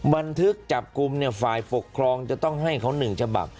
บันทึกจับกลุ่มฝ่ายปกครองจะต้องให้เขา๑ฉบับ